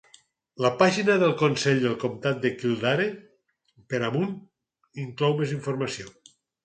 La pàgina del consell del comtat de Kildare per a Moone inclou més informació.